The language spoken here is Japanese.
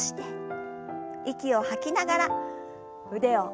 息を吐きながら腕を下ろします。